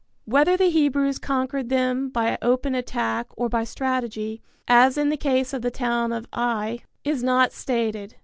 Whether the Hebrews conquered them by open attack or by strategy, as in the case of the town of Ai, is not stated.